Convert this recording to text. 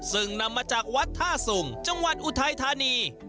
ซึ่งนำมาจากวัดท่าสุงจังหวัดอุทัยธานี